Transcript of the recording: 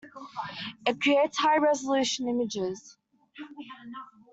It creates high-resolution images.